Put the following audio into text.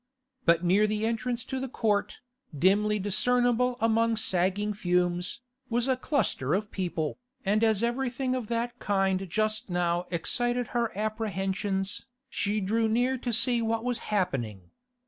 But near the entrance to the Court, dimly discernible amid sagging fumes, was a cluster of people, and as everything of that kind just now excited her apprehensions, she drew near to see what was happening.